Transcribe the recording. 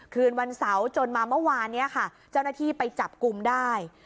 คืนวันเสาร์จนมาเมื่อวานนี้ค่ะเจ้าหน้าที่ไปจับกลุ่มได้